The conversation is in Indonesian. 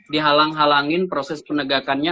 dihalang halangin proses penegakannya